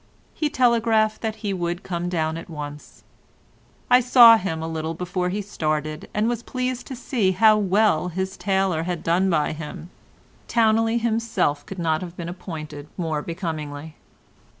He telegraphed that he would come down at once. I saw him a little before he started, and was pleased to see how well his tailor had done by him. Towneley himself could not have been appointed more becomingly.